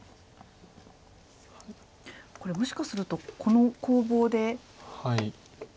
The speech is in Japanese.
これもしかするとこの攻防で。